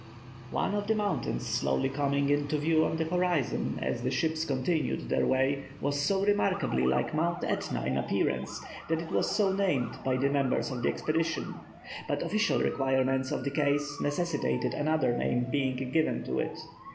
One of the mountains slowly coming into view on the horizon as the ships continued their way was so remarkably like Mount Etna in appearance that it was so named by the members of the expedition, but official requirements of the case necessitated another name being given to it.